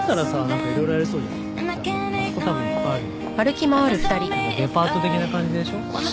何かデパート的な感じでしょ？